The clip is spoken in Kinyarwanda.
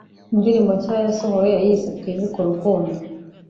Indirimbo nshya yasohoye yayise ‘Twimike urukundo’